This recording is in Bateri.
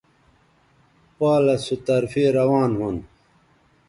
پالس سو طرفے روان ھون